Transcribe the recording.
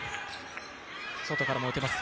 外からも打てます